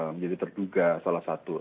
menjadi terduga salah satu